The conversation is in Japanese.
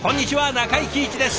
中井貴一です。